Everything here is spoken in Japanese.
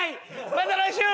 また来週！